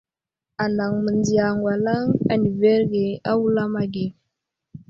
Anaŋ məndiya aŋgalaŋ adəverge a wulam age.